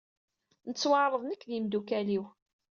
Nettweɛṛeḍ nekk d yimddukal-iw.